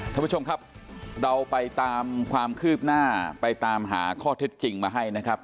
ท่านผู้ชมครับเราไปตามความคืบหน้าไปตามหาข้อเท็จจริงมาให้นะครับ